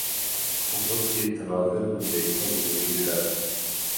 عہد کے تناظر میں دیکھنا ضروری ہے